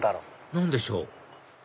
何でしょう？